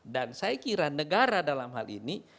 dan saya kira negara dalam hal ini